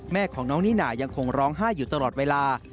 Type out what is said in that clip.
แม่ของน้องนิน่ายังคงร้องไห้อยู่ตลอดเวลา